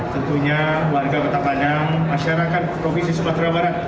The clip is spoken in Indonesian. tentunya warga kota padang masyarakat provinsi sumatera barat